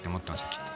きっと。